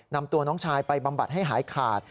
นำตัวน้องชายไปบำบัดให้หายขาด